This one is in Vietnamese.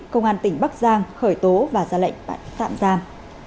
công an tỉnh bắc giang khởi tố và ra lệnh bắt tạm giam